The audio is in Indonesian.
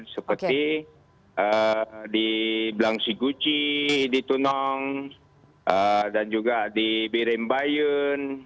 seperti di blangsiguchi di tunong dan juga di birembayun